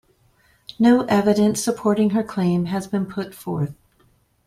No evidence supporting her claim has been put forth.